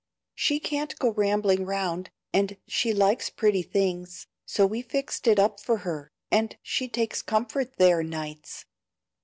She can't go rambling round, and she likes pretty things, so we fixed it up for her, and she takes comfort there nights."